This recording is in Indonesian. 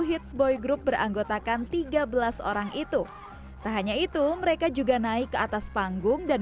hits boy group beranggotakan tiga belas orang itu tak hanya itu mereka juga naik ke atas panggung dan